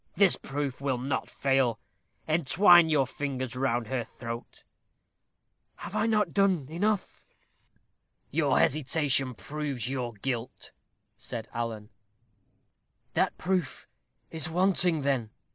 "This proof will not fail. Entwine your fingers round her throat." "Have I not done enough?" "Your hesitation proves your guilt," said Alan. "That proof is wanting, then?"